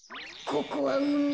ここはうみ。